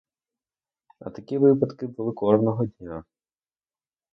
А такі випадки були кожного дня.